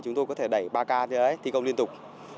chúng tôi có thể đẩy ba ca thi công liên tục